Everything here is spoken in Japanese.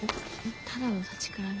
ただの立ちくらみ。